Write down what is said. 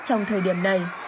trong thời điểm này